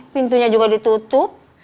pintunya juga ditutup